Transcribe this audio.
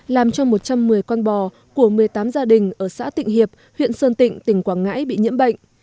làm cho một trăm một mươi con bò của một mươi tám gia đình ở xã tịnh hiệp huyện sơn tịnh tỉnh quảng ngãi bị nhiễm bệnh